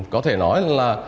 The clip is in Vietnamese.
có thể nói là